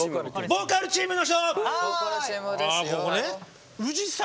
ボーカルチームですよ。